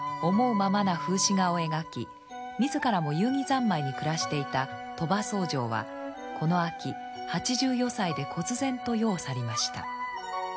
ままな風刺画を描き自らも遊戯三昧に暮らしていた鳥羽僧正はこの秋八十余歳でこつ然と世を去りました。